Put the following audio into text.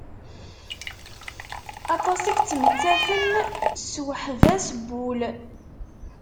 Aṭas i yettmettaten s uḥbas n wul.